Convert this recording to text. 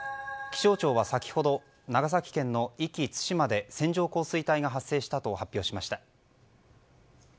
気象庁は先ほど長崎県の壱岐・対馬で線状降水帯が発生したと発表しました。